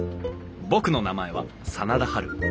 僕の名前は真田ハル。